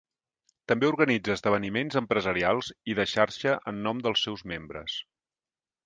També organitza esdeveniments empresarials i de xarxa en nom dels seus membres.